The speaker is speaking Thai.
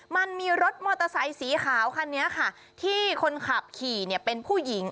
มันมีรถมอเตอร์ไซค์สีขาวคันนี้ค่ะที่คนขับขี่เนี่ยเป็นผู้หญิง